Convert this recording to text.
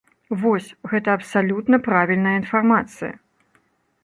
Вось, гэта абсалютна правільная інфармацыя.